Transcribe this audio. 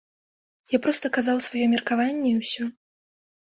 Я проста казаў сваё меркаванне і ўсё.